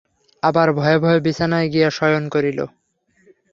আবার ভয়ে ভয়ে বিছানায় গিয়া শয়ন করিল।